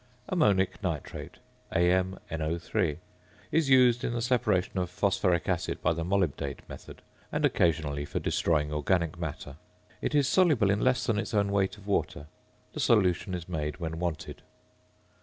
~Ammonic Nitrate~ (AmNO_) is used in the separation of phosphoric oxide by the molybdate method, and occasionally for destroying organic matter. It is soluble in less than its own weight of water. The solution is made when wanted.